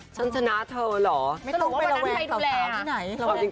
ไม่ต้องไประวังสาวที่ไหน